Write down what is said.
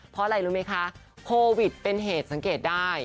เพราะอะไรรู้ไหมคะโควิดเป็นเหตุสังเกตได้